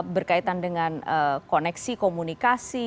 berkaitan dengan koneksi komunikasi